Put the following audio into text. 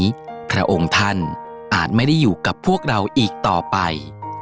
พระองค์ท่านอาจไม่ได้อยู่กับพวกเราอีกต่อไป